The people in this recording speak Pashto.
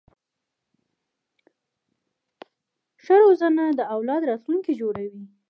ښه روزنه د اولاد راتلونکی جوړوي.